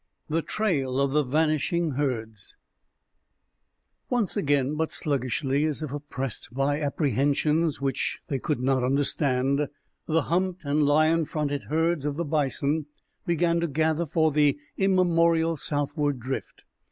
The Trail of the Vanishing Herds Once again, but sluggishly, as if oppressed by apprehensions which they could not understand, the humped and lion fronted herds of the bison began to gather for the immemorial southward drift.